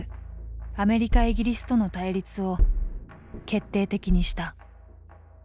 アメリカイギリスとの対立を決定的にした。